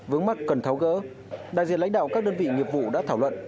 vướng mắt cần tháo gỡ đại diện lãnh đạo các đơn vị nghiệp vụ đã thảo luận